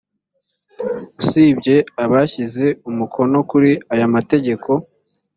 usibye abashyize umukono kuri aya mategeko